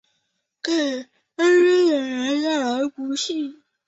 给身边的人带来不幸